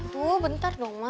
tuh bentar dong ma